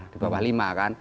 di bawah lima kan